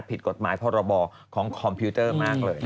ผิดกฎหมายพรบของคอมพิวเตอร์มากเลย